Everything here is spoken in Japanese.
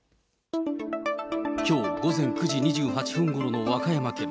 きょう午前９時２８分ごろの和歌山県。